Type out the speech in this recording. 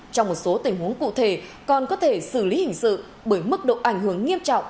trong một số tình huống cụ thể còn có thể xử lý hình sự bởi mức độ ảnh hưởng nghiêm trọng